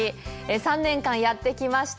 ３年間やってきました